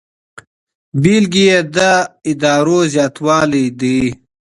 بیلګې یې د ادرار زیاتوالی دی.